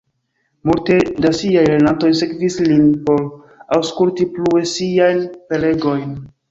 Multe da siaj lernantoj sekvis lin por aŭskulti plue siajn prelegojn.